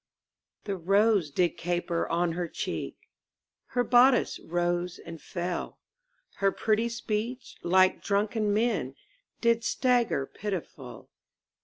The rose did caper on her cheek, Her bodice rose and fell, Her pretty speech, like drunken men, Did stagger pitiful.